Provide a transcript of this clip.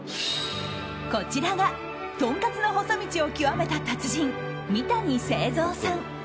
こちらがとんかつの細道を極めた達人三谷成藏さん。